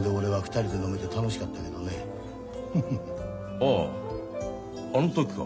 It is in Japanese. あああの時か。